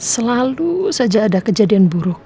selalu saja ada kejadian buruk